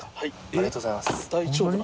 ありがとうございます。